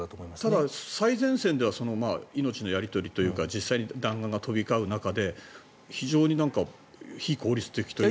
ただ、最前線では命のやり取りというか実際に弾丸が飛び交う中で非常に非効率的というか。